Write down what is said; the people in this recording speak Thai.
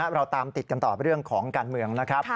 เราตามติดกันต่อเรื่องของการเมืองนะครับ